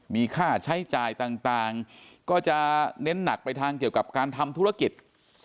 มีค่าใช้จ่ายต่างก็จะเน้นหนักไปทางเกี่ยวกับการทำธุรกิจ